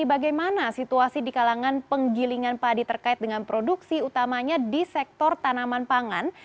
bagaimana situasi di kalangan penggilingan padi terkait dengan produksi utamanya di sektor tanaman pangan